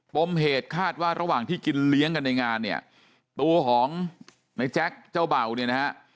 ปมเหตุคาดว่าระหว่างที่กินเลี้ยงกันในงานเนี่ยตัวของในแจ๊คเจ้าเบาเนี่ยนะฮะ